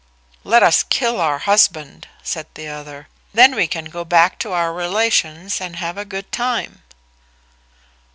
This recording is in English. "Let us kill our husband," said the other: "then we can go back to our relations and have a good time."